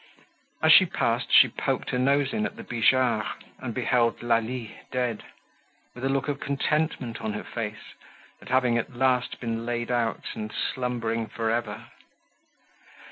As she passed she poked her nose in at the Bijards' and beheld Lalie dead, with a look of contentment on her face at having at last been laid out and slumbering forever.